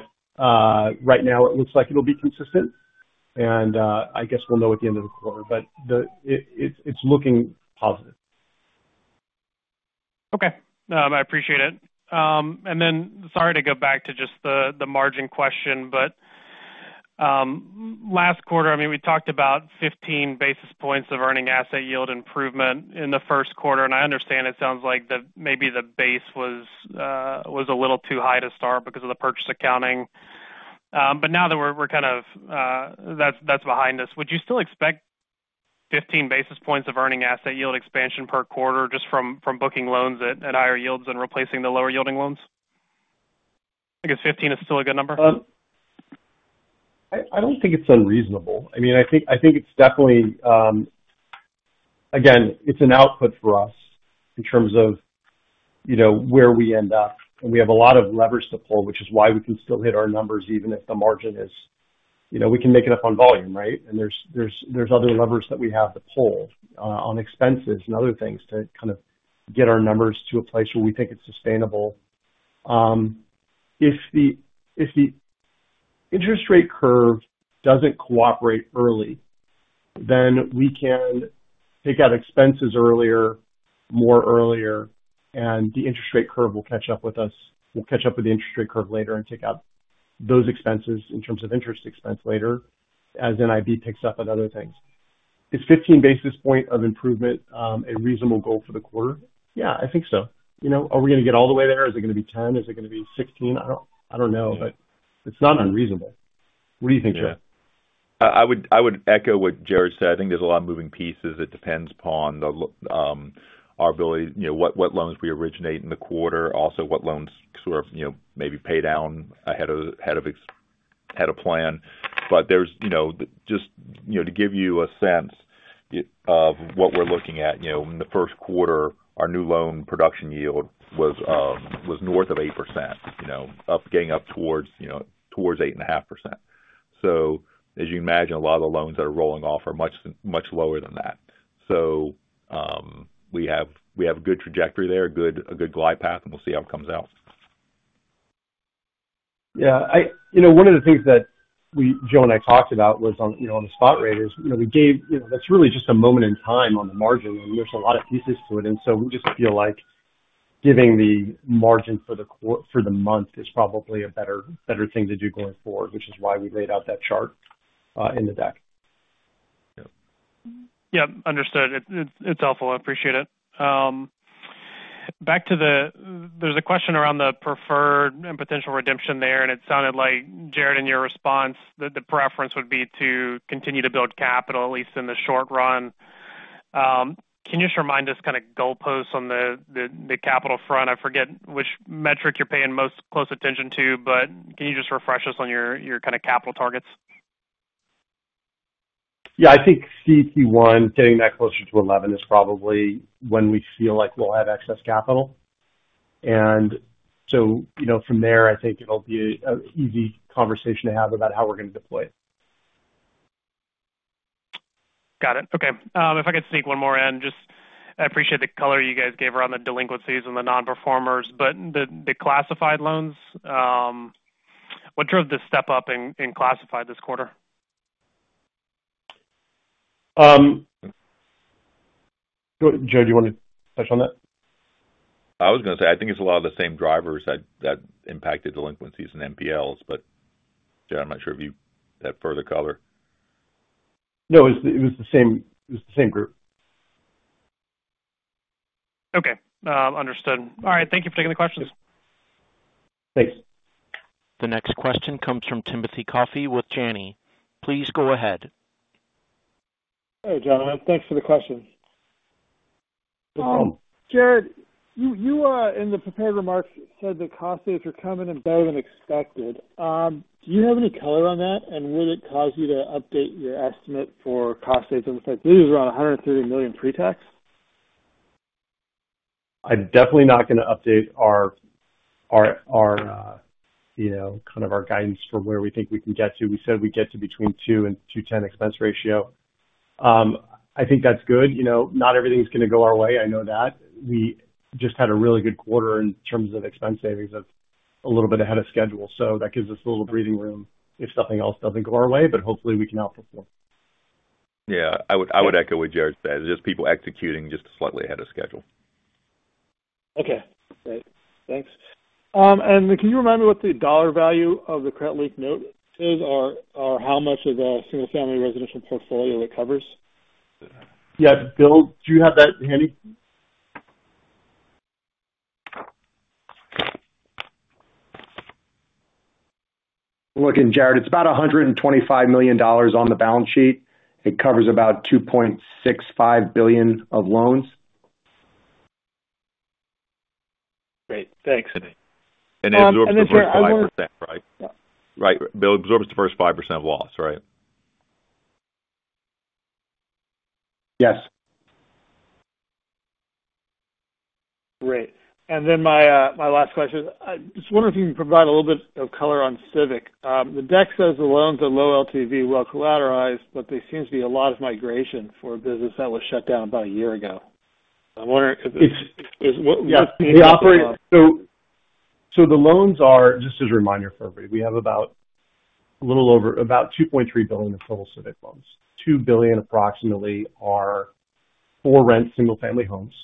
S2: now, it looks like it'll be consistent. I guess we'll know at the end of the quarter. It's looking positive.
S9: Okay. I appreciate it. And then sorry to go back to just the margin question, but last quarter, I mean, we talked about 15 basis points of earning asset yield improvement in the first quarter. And I understand it sounds like maybe the base was a little too high to start because of the purchase accounting. But now that we're kind of that's behind us, would you still expect 15 basis points of earning asset yield expansion per quarter just from booking loans at higher yields and replacing the lower yielding loans? I guess 15 is still a good number.
S2: I don't think it's unreasonable. I mean, I think it's definitely again, it's an output for us in terms of where we end up. We have a lot of levers to pull, which is why we can still hit our numbers even if the margin is we can make it up on volume, right? There's other levers that we have to pull on expenses and other things to kind of get our numbers to a place where we think it's sustainable. If the interest rate curve doesn't cooperate early, then we can take out expenses earlier, more earlier, and the interest rate curve will catch up with us will catch up with the interest rate curve later and take out those expenses in terms of interest expense later as NIB picks up on other things. Is 15 basis points of improvement a reasonable goal for the quarter? Yeah, I think so. Are we going to get all the way there? Is it going to be 10? Is it going to be 16? I don't know, but it's not unreasonable. What do you think, Joe?
S3: Yeah. I would echo what Jared said. I think there's a lot of moving pieces. It depends upon our ability, what loans we originate in the quarter, also what loans sort of maybe pay down ahead of plan. Just to give you a sense of what we're looking at, in the first quarter, our new loan production yield was north of 8%, getting up towards 8.5%. As you can imagine, a lot of the loans that are rolling off are much lower than that. We have a good trajectory there, a good glide path, and we'll see how it comes out.
S2: Yeah. One of the things that Joe and I talked about was on the spot rate is we gave that's really just a moment in time on the margin, and there's a lot of pieces to it. We just feel like giving the margin for the month is probably a better thing to do going forward, which is why we laid out that chart in the deck.
S9: Yeah. Understood. It's helpful. I appreciate it. There's a question around the preferred and potential redemption there, and it sounded like, Jared, in your response, that the preference would be to continue to build capital, at least in the short run. Can you just remind us kind of goalposts on the capital front? I forget which metric you're paying most close attention to, but can you just refresh us on your kind of capital targets?
S2: Yeah. I think CET1, getting that closer to 11 is probably when we feel like we'll have excess capital. From there, I think it'll be an easy conversation to have about how we're going to deploy it.
S9: Got it. Okay. If I could sneak one more in, just I appreciate the color you guys gave around the delinquencies and the non-performers, but the classified loans, what drove the step up in classified this quarter?
S2: Joe, do you want to touch on that?
S3: I was going to say I think it's a lot of the same drivers that impacted delinquencies and NPLs, but, Jared, I'm not sure if you had further color.
S2: No, it was the same group.
S9: Okay. Understood. All right. Thank you for taking the questions.
S2: Thanks.
S1: The next question comes from Timothy Coffey with Janney. Please go ahead.
S10: Hey, Jared. Thanks for the question. Jared, you in the prepared remarks said the cost saves were coming in better than expected. Do you have any color on that, and would it cause you to update your estimate for cost saves? It looks like this is around $130 million pre-tax.
S2: I'm definitely not going to update our kind of guidance for where we think we can get to. We said we'd get to between 2% and 2.10% expense ratio. I think that's good. Not everything's going to go our way. I know that. We just had a really good quarter in terms of expense savings of a little bit ahead of schedule. So that gives us a little breathing room if something else doesn't go our way, but hopefully, we can outperform.
S3: Yeah. I would echo what Jared said. It's just people executing just slightly ahead of schedule.
S10: Okay. Great. Thanks. Can you remind me what the dollar value of the credit-linked note is or how much of the single-family residential portfolio it covers?
S2: Yeah. Bill, do you have that handy?
S11: Looking, Jared, it's about $125 million on the balance sheet. It covers about $2.65 billion of loans.
S10: Great. Thanks.
S3: 5%, right? Right. Bill, it absorbs the first 5% of loss, right?
S11: Yes.
S10: Great. Then my last question is, I just wonder if you can provide a little bit of color on Civic. The deck says the loans are low LTV, well collateralized, but there seems to be a lot of migration for a business that was shut down about a year ago. I'm wondering if.
S2: The loans are just as a reminder for everybody. We have about a little over about $2.3 billion of total Civic loans. $2 billion approximately are for-rent single-family homes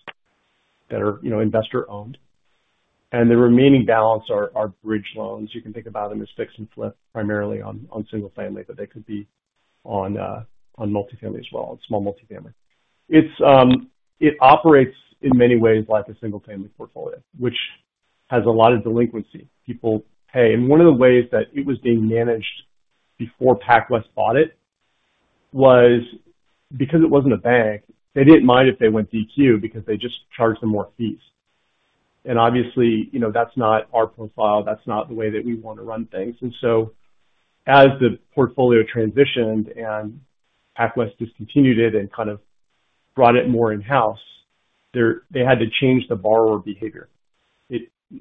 S2: that are investor-owned. The remaining balance are bridge loans. You can think about them as fix and flip primarily on single-family, but they could be on multifamily as well, small multifamily. It operates in many ways like a single-family portfolio, which has a lot of delinquency. People pay. One of the ways that it was being managed before PacWest bought it was because it wasn't a bank, they didn't mind if they went DQ because they just charged them more fees. Obviously, that's not our profile. That's not the way that we want to run things. As the portfolio transitioned and PacWest discontinued it and kind of brought it more in-house, they had to change the borrower behavior.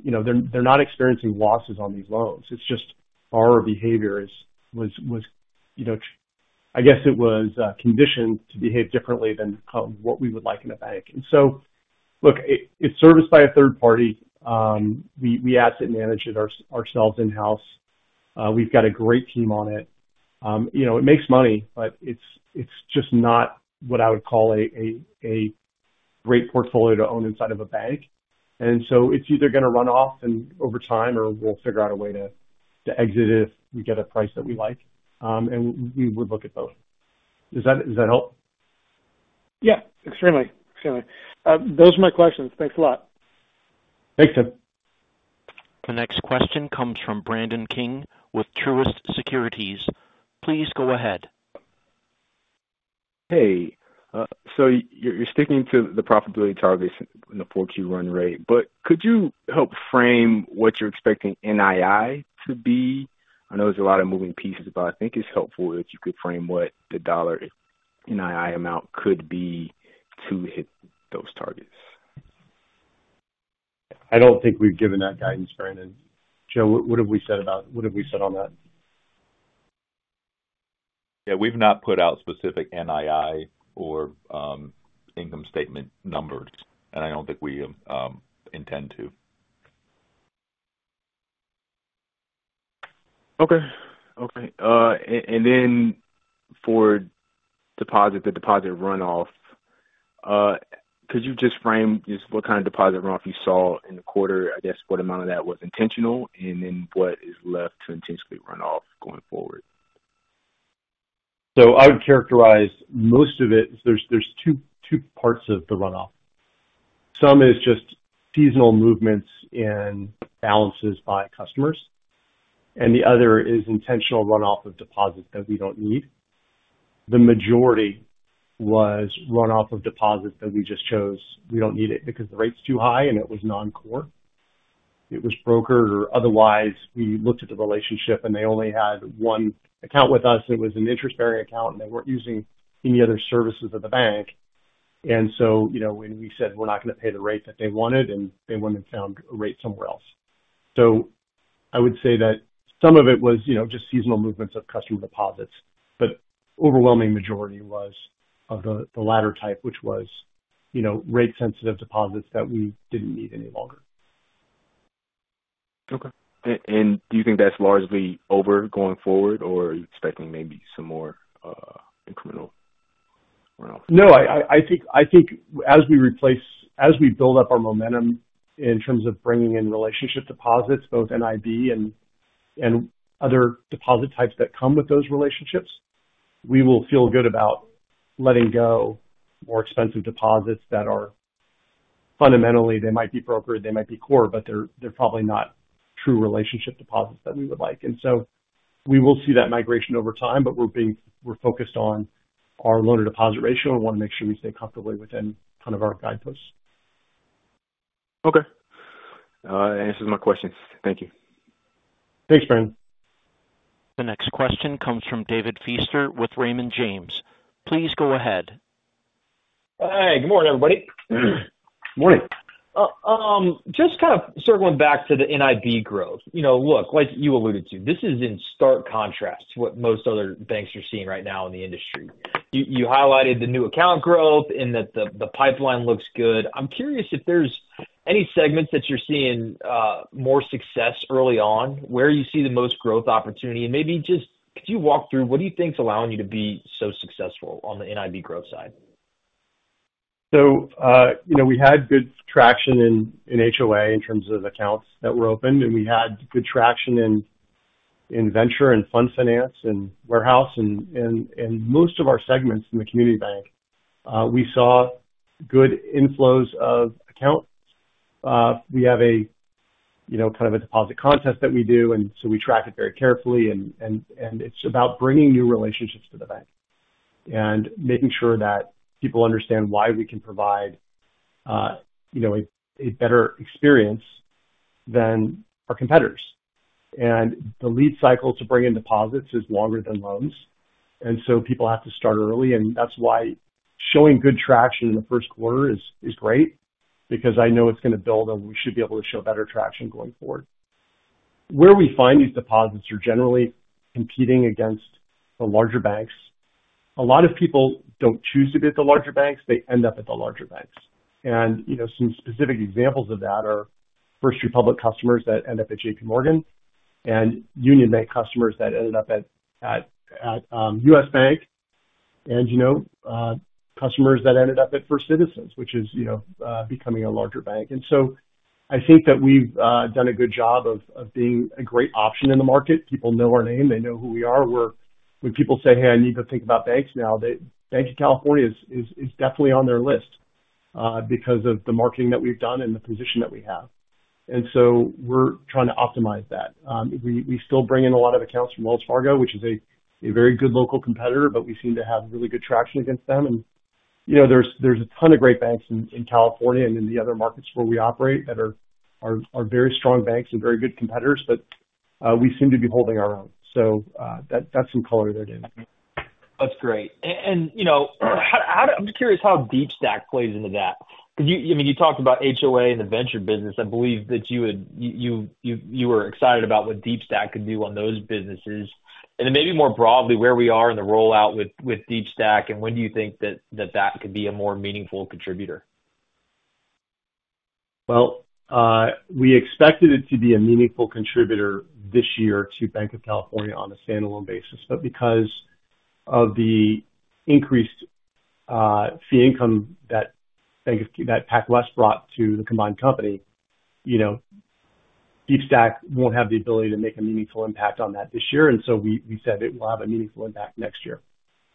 S2: They're not experiencing losses on these loans. It's just borrower behavior was I guess it was conditioned to behave differently than what we would like in a bank. And so look, it's serviced by a third party. We asset manage it ourselves in-house. We've got a great team on it. It makes money, but it's just not what I would call a great portfolio to own inside of a bank. And so it's either going to run off over time or we'll figure out a way to exit it if we get a price that we like. And we would look at both. Does that help?
S10: Yeah. Extremely. Extremely. Those are my questions. Thanks a lot.
S2: Thanks, Tim.
S1: The next question comes from Brandon King with Truist Securities. Please go ahead.
S12: Hey. So you're sticking to the profitability target in the 4Q run rate, but could you help frame what you're expecting NII to be? I know there's a lot of moving pieces, but I think it's helpful if you could frame what the dollar NII amount could be to hit those targets.
S2: I don't think we've given that guidance, Brandon. Joe, what have we said about what have we said on that?
S3: Yeah. We've not put out specific NII or income statement numbers, and I don't think we intend to.
S12: Okay. Okay. And then for the deposit runoff, could you just frame just what kind of deposit runoff you saw in the quarter? I guess what amount of that was intentional and then what is left to intentionally run off going forward?
S2: I would characterize most of it. There's two parts of the runoff. Some is just seasonal movements in balances by customers, and the other is intentional runoff of deposit that we don't need. The majority was runoff of deposit that we just chose. We don't need it because the rate's too high, and it was non-core. It was brokered or otherwise. We looked at the relationship, and they only had one account with us. It was an interest-bearing account, and they weren't using any other services of the bank. And so when we said we're not going to pay the rate that they wanted, they went and found a rate somewhere else. I would say that some of it was just seasonal movements of customer deposits, but the overwhelming majority was of the latter type, which was rate-sensitive deposits that we didn't need any longer.
S12: Okay. Do you think that's largely over going forward, or are you expecting maybe some more incremental runoff?
S2: No. I think as we build up our momentum in terms of bringing in relationship deposits, both NIB and other deposit types that come with those relationships, we will feel good about letting go more expensive deposits that are fundamentally they might be brokered, they might be core, but they're probably not true relationship deposits that we would like. And so we will see that migration over time, but we're focused on our loan-to-deposit ratio. We want to make sure we stay comfortably within kind of our guideposts.
S12: Okay. That answers my questions. Thank you.
S2: Thanks, Brandon.
S1: The next question comes from David Feaster with Raymond James. Please go ahead.
S13: Hi. Good morning, everybody.
S2: Good morning.
S13: Just kind of circling back to the NIB growth. Look, like you alluded to, this is in stark contrast to what most other banks you're seeing right now in the industry. You highlighted the new account growth and that the pipeline looks good. I'm curious if there's any segments that you're seeing more success early on, where you see the most growth opportunity. Maybe just could you walk through what do you think's allowing you to be so successful on the NIB growth side?
S2: We had good traction in HOA in terms of accounts that were open, and we had good traction in venture and fund finance and warehouse. In most of our segments in the community bank, we saw good inflows of accounts. We have kind of a deposit contest that we do, and so we track it very carefully. And it's about bringing new relationships to the bank and making sure that people understand why we can provide a better experience than our competitors. And the lead cycle to bring in deposits is longer than loans, and so people have to start early. That's why showing good traction in the first quarter is great because I know it's going to build, and we should be able to show better traction going forward. Where we find these deposits are generally competing against the larger banks. A lot of people don't choose to be at the larger banks. They end up at the larger banks. Some specific examples of that are First Republic customers that end up at JPMorgan and Union Bank customers that ended up at U.S. Bank and customers that ended up at First Citizens, which is becoming a larger bank. I think that we've done a good job of being a great option in the market. People know our name. They know who we are. When people say, "Hey, I need to think about banks now," Banc of California is definitely on their list because of the marketing that we've done and the position that we have. And so we're trying to optimize that. We still bring in a lot of accounts from Wells Fargo, which is a very good local competitor, but we seem to have really good traction against them. There's a ton of great banks in California and in the other markets where we operate that are very strong banks and very good competitors, but we seem to be holding our own. So that's some color there too.
S13: That's great. I'm just curious how Deepstack plays into that because, I mean, you talked about HOA and the venture business. I believe that you were excited about what Deepstack could do on those businesses. Then maybe more broadly, where we are in the rollout with Deepstack, and when do you think that that could be a more meaningful contributor?
S2: Well, we expected it to be a meaningful contributor this year to Banc of California on a standalone basis. But because of the increased fee income that PacWest brought to the combined company, Deepstack won't have the ability to make a meaningful impact on that this year. And so we said it will have a meaningful impact next year.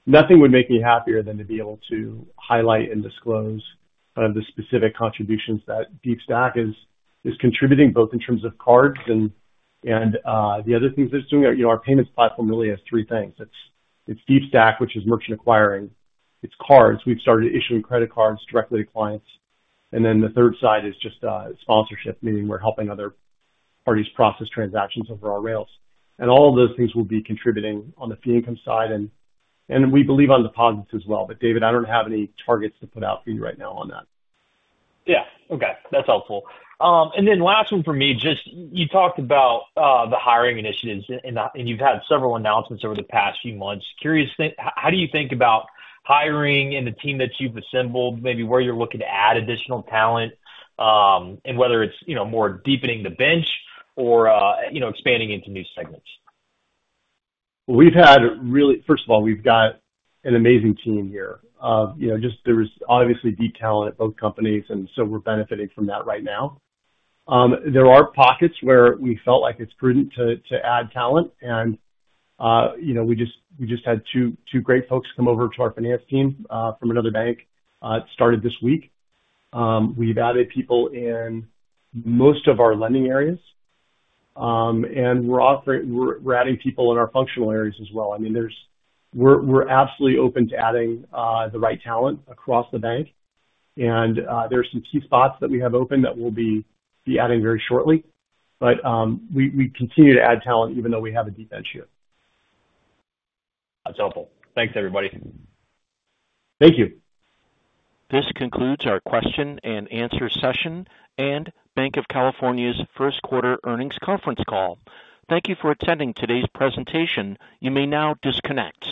S2: Nothing would make me happier than to be able to highlight and disclose kind of the specific contributions that Deepstack is contributing, both in terms of cards and the other things that it's doing. Our payments platform really has three things. It's Deepstack, which is merchant acquiring. It's cards. We've started issuing credit cards directly to clients. Then the third side is just sponsorship, meaning we're helping other parties process transactions over our rails. And all of those things will be contributing on the fee income side. We believe on deposits as well. But, David, I don't have any targets to put out for you right now on that.
S13: Yeah. Okay. That's helpful. Then last one for me, just you talked about the hiring initiatives, and you've had several announcements over the past few months. How do you think about hiring and the team that you've assembled, maybe where you're looking to add additional talent, and whether it's more deepening the bench or expanding into new segments?
S2: Well, first of all, we've got an amazing team here. There was obviously deep talent at both companies, and so we're benefiting from that right now. There are pockets where we felt like it's prudent to add talent. We just had two great folks come over to our finance team from another bank. It started this week. We've added people in most of our lending areas, and we're adding people in our functional areas as well. I mean, we're absolutely open to adding the right talent across the bank. There are some key spots that we have open that we'll be adding very shortly. But we continue to add talent even though we have a deep bench here.
S13: That's helpful. Thanks, everybody.
S2: Thank you.
S1: This concludes our question-and-answer session and Banc of California's first-quarter earnings conference call. Thank you for attending today's presentation. You may now disconnect.